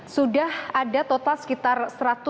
sudah ada total sekitar seratus penumpang